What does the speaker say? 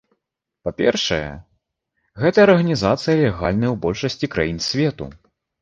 Па-першае, гэтая арганізацыя легальная ў большасці краін свету.